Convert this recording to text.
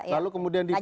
lalu kemudian di fokus